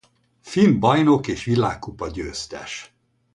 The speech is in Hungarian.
Finn bajnok és világkupa győztes.